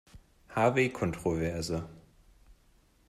Harvey Kontroverse.